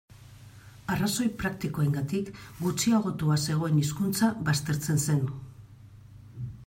Arrazoi praktikoengatik gutxiagotua zegoen hizkuntza baztertzen zen.